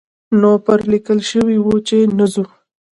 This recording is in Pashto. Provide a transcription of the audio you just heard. نو پرې لیکل شوي وو چې نه ځو.